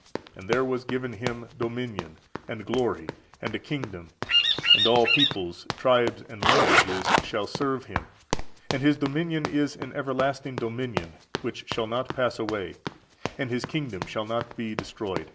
And there was given Him dominion, and glory, and a kingdom; and all peoples, tribes, and languages shall serve Him: and His dominion is an everlasting dominion, which shall not pass away, and His kingdom shall not be destroyed."